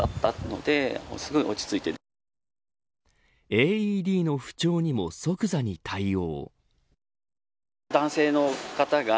ＡＥＤの不調にも即座に対応。